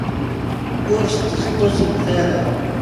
Ur sṭeẓṭuẓemt ara.